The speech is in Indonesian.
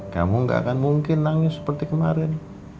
kamu gak akan mungkin nangis seperti kemarin